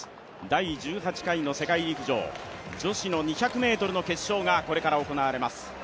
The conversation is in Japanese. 第１８回の世界陸上、女子の２００ｍの決勝がこれから行われます。